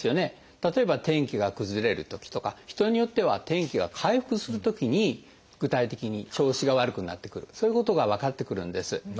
例えば天気が崩れるときとか人によっては天気が回復するときに具体的に調子が悪くなってくるそういうことが分かってくるんです。